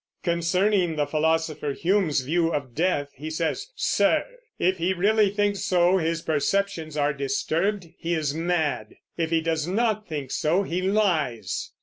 Concerning the philosopher Hume's view of death he says: "Sir, if he really thinks so, his perceptions are disturbed, he is mad. If he does not think so, he lies."